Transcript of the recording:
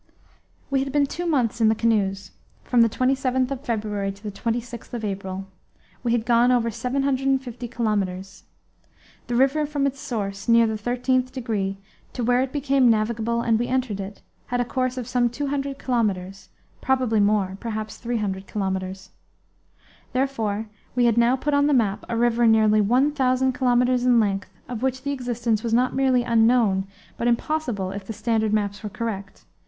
We had been two months in the canoes; from the 27th of February to the 26th of April. We had gone over 750 kilometres. The river from its source, near the thirteenth degree, to where it became navigable and we entered it, had a course of some 200 kilometres probably more, perhaps 300 kilometres. Therefore we had now put on the map a river nearly 1,000 kilometres in length of which the existence was not merely unknown but impossible if the standard maps were correct.